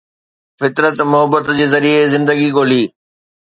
فطرت محبت جي ذريعي زندگي ڳولي